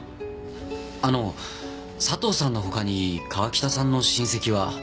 あの佐藤さんの他に川喜多さんの親戚は？